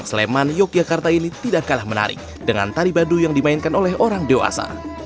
sleman yogyakarta ini tidak kalah menarik dengan tari baduy yang dimainkan oleh orang dewasa